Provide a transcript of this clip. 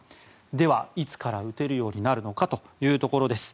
では、いつから打てるようになるのかというところです。